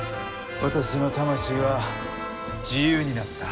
私の魂は自由になった。